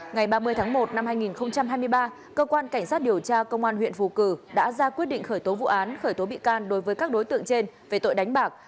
ngày ba mươi tháng một năm hai nghìn hai mươi ba cơ quan cảnh sát điều tra công an huyện phù cử đã ra quyết định khởi tố vụ án khởi tố bị can đối với các đối tượng trên về tội đánh bạc